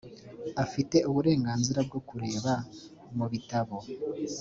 afite uburenganzira bwo kureba mu bitabo